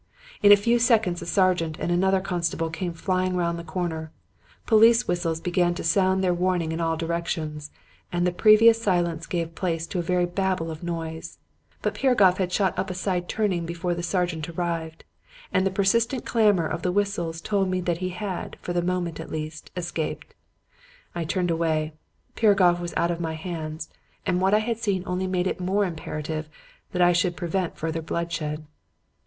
In a few seconds a sergeant and another constable came flying round the corner; police whistles began to sound their warning in all directions; and the previous silence gave place to a very Babel of noise. But Piragoff had shot up a side turning before the sergeant arrived, and the persistent clamor of the whistles told me that he had, for the moment, at least, escaped. I turned away. Piragoff was out of my hands, and what I had seen only made it more imperative that I should prevent further bloodshed.